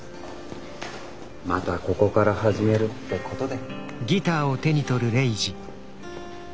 またここから始めるってことで。